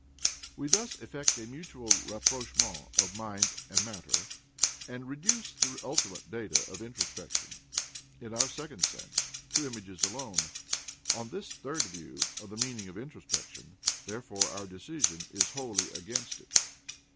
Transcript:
We thus effect a mutual rapprochement of mind and matter, and reduce the ultimate data of introspection (in our second sense) to images alone. On this third view of the meaning of introspection, therefore, our decision is wholly against it.